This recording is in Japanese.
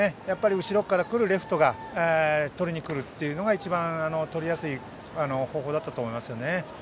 後ろから来るレフトがとりにくるのが一番、とりやすい方法だったと思います。